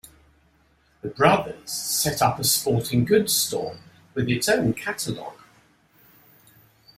The brothers set up a sporting goods store with its own catalog.